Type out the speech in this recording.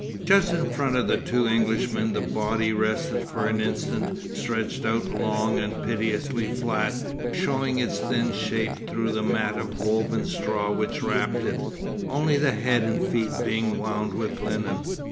Just in front of the two Englishmen the body rested for an instant, stretched out long and piteously flat, showing its thin shape through the mat of woven straw which wrapped it, only the head and feet being wound with linen.